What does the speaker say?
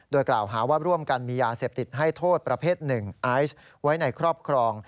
โดยกล่าวหาว่าร่วมกันมียาเสพติดให้โทษประเภทหนึ่งไอซ์ไว้ในครอบครอง